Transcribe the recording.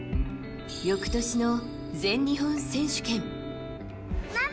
翌年の全日本選手権。